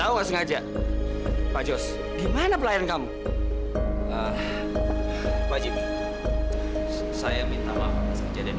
oke kita lanjutkan lagi